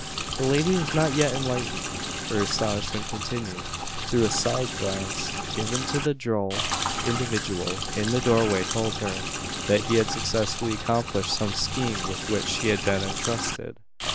The lady was not yet enlightened. Her astonishment continued; though a side glance given to the droll individual in the doorway told her, that he had successfully accomplished some scheme with which he had been entrusted.